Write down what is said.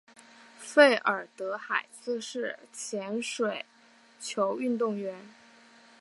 费尔德海斯是前水球运动员。